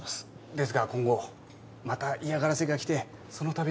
ですが今後また嫌がらせが来てそのたびに。